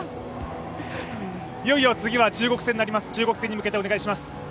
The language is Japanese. いよいよ次は中国戦になります、中国戦に向けてお願いします。